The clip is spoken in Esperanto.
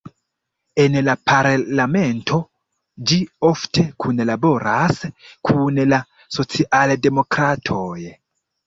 En la parlamento ĝi ofte kunlaboras kun la socialdemokratoj.